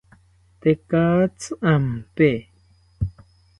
Tekatzi ampe